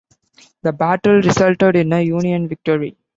The battle resulted in a Union victory.